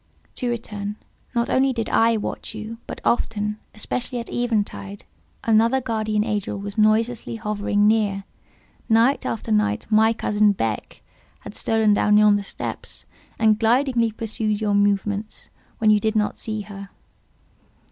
To return. Not only did I watch you; but often—especially at eventide—another guardian angel was noiselessly hovering near: night after night my cousin Beck has stolen down yonder steps, and glidingly pursued your movements when you did not see her."